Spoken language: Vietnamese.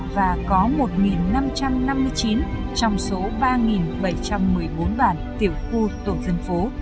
và có một năm trăm năm mươi chín trong số ba bảy trăm một mươi bốn bản tiểu khu tổ dân phố